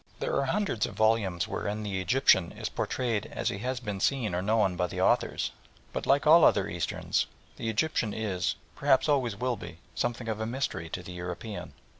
There are hundreds of volumes wherein the Egyptian is portrayed as he has been seen or known by the authors, but like all other Easterns, the Egyptian is, and perhaps always will be, something of a mystery to the European.